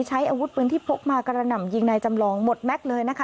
ใช้อาวุธปืนที่พกมากระหน่ำยิงนายจำลองหมดแม็กซ์เลยนะคะ